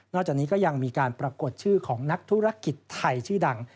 จากนี้ก็ยังมีการปรากฏชื่อของนักธุรกิจไทยชื่อดัง